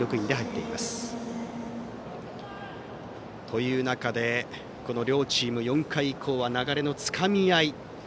という中でこの両チーム、４回以降は流れのつかみ合い。